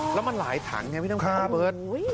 แล้วมันหลายถังเนี้ยพี่น้ำค่ะค่ะเบิร์ดอุ้ย